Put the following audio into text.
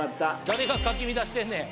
誰がかき乱してんねん。